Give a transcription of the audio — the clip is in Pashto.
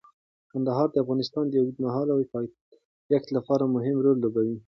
کندهار د افغانستان د اوږدمهاله پایښت لپاره مهم رول لوبوي.